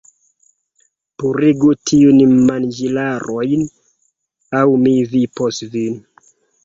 Purigu tiujn manĝilarojn! aŭ mi vipos vin!